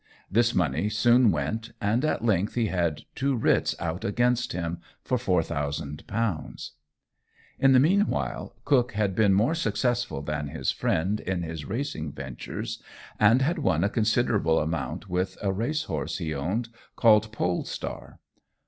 This money soon went, and at length he had two writs out against him for £4,000. In the meanwhile, Cook had been more successful than his friend in his racing ventures, and had won a considerable amount with a race horse he owned called Polestar.